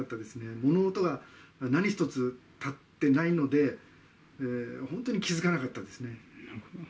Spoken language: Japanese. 物音が何一つたってないので、本当に気付かなかったですね。